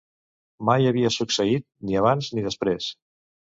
Mai havia succeït, ni abans ni després.